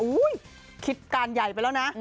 คิดการใหญ่ไปแล้วนะ